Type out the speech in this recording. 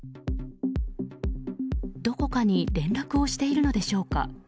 どこかに連絡をしているのでしょうか。